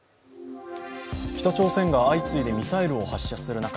北朝鮮が相次いでミサイルを発射する中